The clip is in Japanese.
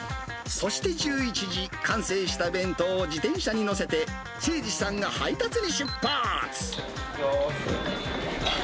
そして１１時、完成した弁当を自転車に載せて、清二さんが配達に出発。